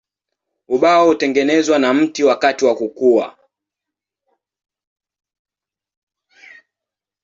Ubao hutengenezwa na mti wakati wa kukua.